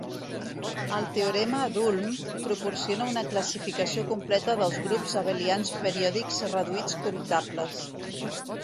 El teorema d'Ulm proporciona una classificació completa dels grups abelians periòdics reduïts comptables.